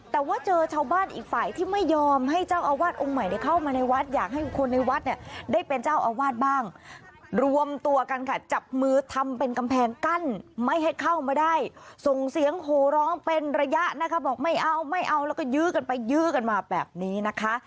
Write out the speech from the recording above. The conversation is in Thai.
แต่ว่าเจอชาวบ้านอีกฝ่ายที่ไม่ยอมให้เจ้าอาวาสองค์ใหม่เข้ามาในวัดอยากให้คนในวัดเนี่ยได้เป็นเจ้าอาวาสบ้างรวมตัวกันค่ะจับมือทำเป็นกำแพงกั้นไม่ให้เข้ามาได้ส่งเสียงโหร้องเป็นระยะนะคะบอกไม่เอาไม่เอาแล้วก็ยื้อกันไปยื้อกันมาแบบนี้นะคะ